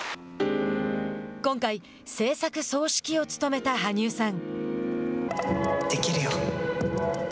今回、制作総指揮を務めたできるよ。